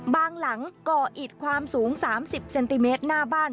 หลังก่ออิดความสูง๓๐เซนติเมตรหน้าบ้าน